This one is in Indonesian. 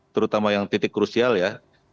terutama yang titik krusial ya